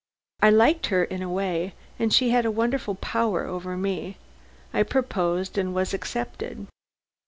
I liked her in a way, and she had a wonderful power over me. I proposed and was accepted."